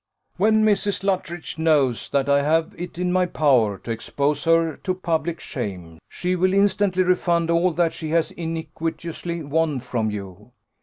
"When Mrs. Luttridge knows that I have it in my power to expose her to public shame, she will instantly refund all that she has iniquitously won from you.